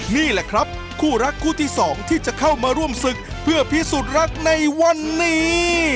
นี่แหละครับคู่รักคู่ที่สองที่จะเข้ามาร่วมศึกเพื่อพิสูจน์รักในวันนี้